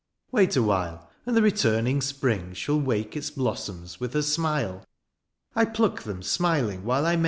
Wait awhile, " And the returning spring shall wake " Its blossoms with her smile :^^ I pluck them smiling while I may.